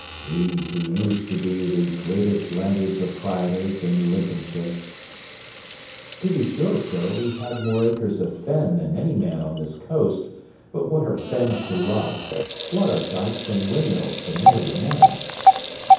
we who used to be the greatest landed proprietors in Lincolnshire.' 'To be sure, sir, we had more acres of fen than any man on this coast: but what are fens to love? What are dykes and windmills to Marionetta?'